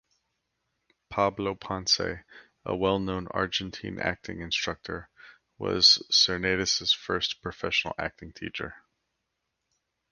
Pablo Ponce, a well known Argentine acting instructor, was Cernadas' first professional acting teacher.